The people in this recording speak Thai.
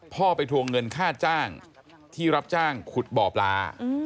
พ่อไปทวงเงินค่าจ้างที่รับจ้างขุดบ่อปลา